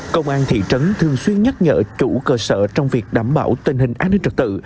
công an thị trấn thường xuyên nhắc nhở chủ cơ sở trong việc đảm bảo tình hình an ninh trật tự